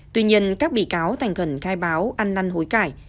tuy nhiên các bị cáo thành khẩn khai báo ăn năn hối cải